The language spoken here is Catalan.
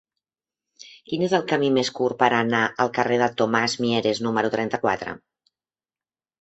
Quin és el camí més curt per anar al carrer de Tomàs Mieres número trenta-quatre?